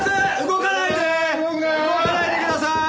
動かないでくださーい！